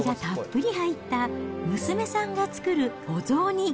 野菜がたっぷり入った娘さんが作るお雑煮。